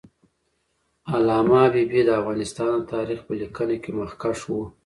علامه حبیبي د افغانستان د تاریخ په لیکنه کې مخکښ و.